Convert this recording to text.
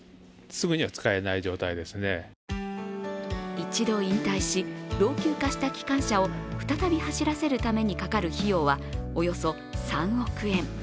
一度引退し、老朽化した機関車を再び走らせるためにかかる費用はおよそ３億円。